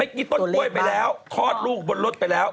ไม่กินต้นปล่อยไปแล้วคลอดลูกบนรถไปแล้ว